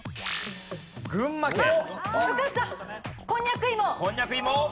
こんにゃく芋。